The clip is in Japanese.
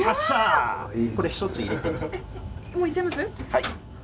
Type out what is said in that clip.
はい。